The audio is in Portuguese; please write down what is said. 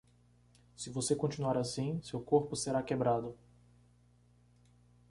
Se você continuar assim, seu corpo será quebrado.